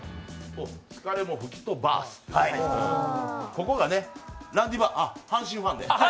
ここが阪神ファンで？